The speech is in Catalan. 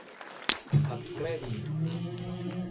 A ple dia.